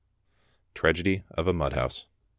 TRAGEDY OF A MUD HOUSE.